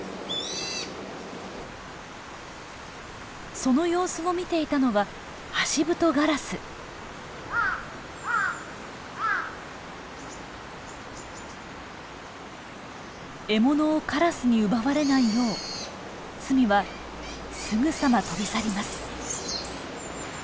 その様子を見ていたのは獲物をカラスに奪われないようツミはすぐさま飛び去ります。